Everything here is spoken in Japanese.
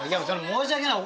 申し訳ない。